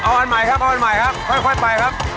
เอาอันใหม่ครับเอาอันใหม่ครับค่อยไปครับ